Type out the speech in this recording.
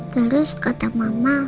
terus kata mama